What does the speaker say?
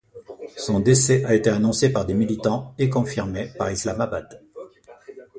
Son décès a été annoncé par des militants et confirmé par Islamabad.